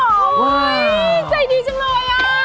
โอ้ยใจดีจังเลยอ่ะ